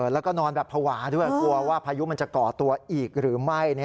แล้วก็นอนแบบภาวะด้วยกลัวว่าพายุมันจะก่อตัวอีกหรือไม่